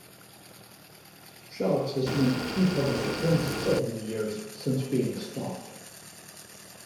Chaves has made few public appearances over the years since being stalked.